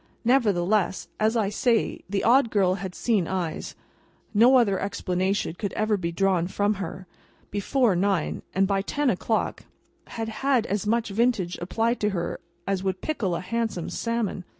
Nevertheless, as I say, the Odd Girl had "seen Eyes" (no other explanation could ever be drawn from her), before nine, and by ten o'clock had had as much vinegar applied to her as would pickle a handsome salmon.